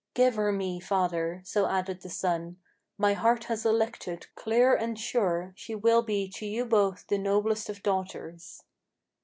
"Give her me, father," so added the son: "my heart has elected Clear and sure; she will be to you both the noblest of daughters."